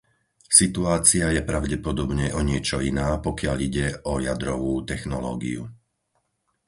Situácia je pravdepodobne o niečo iná, pokiaľ ide o jadrovú technológiu.